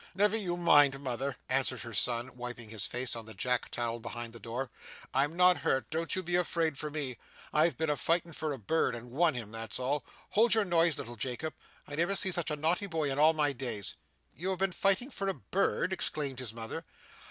'Never you mind, mother,' answered her son, wiping his face on the jack towel behind the door. 'I'm not hurt, don't you be afraid for me. I've been a fightin' for a bird and won him, that's all. Hold your noise, little Jacob. I never see such a naughty boy in all my days!' 'You have been fighting for a bird!' exclaimed his mother.